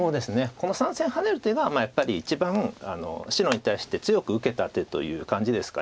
この３線ハネる手がやっぱり一番白に対して強く受けた手という感じですか。